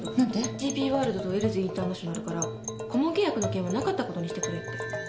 ＧＰワールドとエルズインターナショナルから顧問契約の件はなかったことにしてくれって。